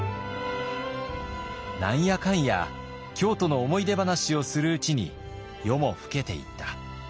「何やかんや京都の思い出話をするうちに夜も更けていった。